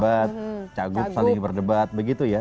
bisa jadi kayak berdebat cagub saling berdebat begitu ya